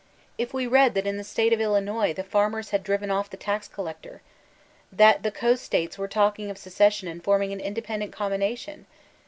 if we read that in the state of Illinob the farmers had driven oflF the tax collector? that the coast states were talking of secession and forming an independent combination?